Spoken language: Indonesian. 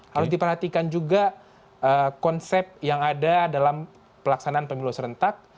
harus diperhatikan juga konsep yang ada dalam pelaksanaan pemilu serentak